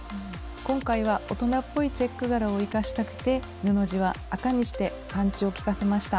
今回は大人っぽいチェック柄を生かしたくて布地は赤にしてパンチを効かせました。